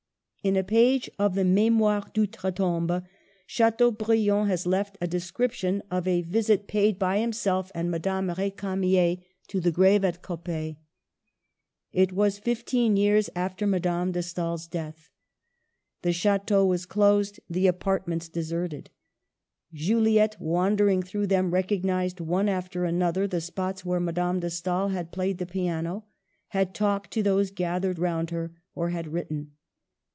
In a page of the Mtmoires d Outre Toinbe, Chateaubriand has left a description of a visit Digitized by VjOOQIC 206 MADAME DE STAEL. paid by himself and Madame Rdcamier to the grave at Coppet It was fifteen years after Madame de Stael's death. The Ch&teau was closed, the apartments deserted. Juliette, wan dering through them, recognised one after another the spots where Madame de Stael had played the piano, had talked to those gathered round her, or had written.